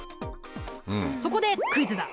そこでクイズだ。